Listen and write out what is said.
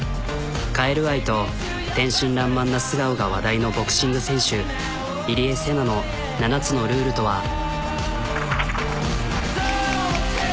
カエル愛と天真らんまんな素顔が話題のボクシング選手入江聖奈の７つのルールとは。